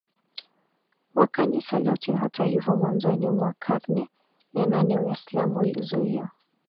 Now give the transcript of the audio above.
wa Kanisa lote Hata hivyo mwanzoni mwa karne ya nane Uislamu ulizuiwa